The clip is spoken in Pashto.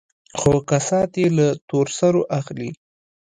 خو كسات يې له تور سرو اخلي.